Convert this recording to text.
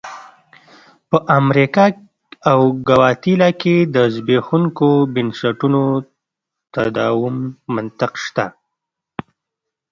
په امریکا او ګواتیلا کې د زبېښونکو بنسټونو د تداوم منطق شته.